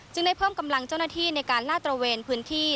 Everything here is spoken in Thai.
ได้เพิ่มกำลังเจ้าหน้าที่ในการลาดตระเวนพื้นที่